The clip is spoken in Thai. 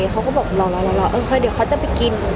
เขาก็บอกรอเดี๋ยวเขาจะไปกิน